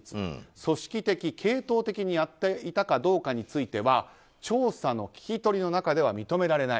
組織的、系統的にやっていたかどうかについては調査の聞き取りの中では認められない。